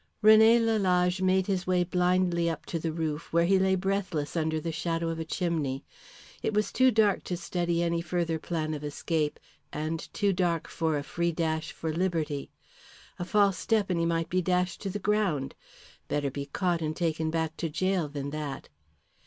Rene Lalage made his way blindly up to the roof, where he lay breathless under the shadow of a chimney. It was too dark to study any further plan of escape, and too dark for a free dash for liberty. A false step and he might be dashed to the ground. Better be caught and taken back to gaol than that.